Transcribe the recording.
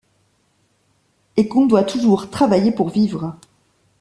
Et qu'on doit toujours travailler pour vivre.